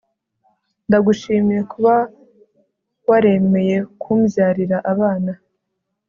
ndagushimiye kuba waremeye kumbyarira abana